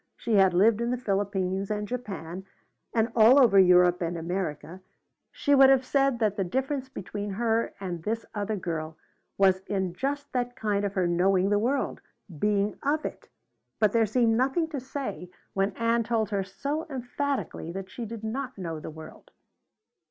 She had lived in the Philippines and Japan and all over Europe and America. She would have said that the difference between her and this other girl was in just that thing of her knowing the world being of it. But there seemed nothing to say when Ann told her so emphatically that she did not know the world.